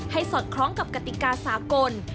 สอดคล้องกับกติกาสากล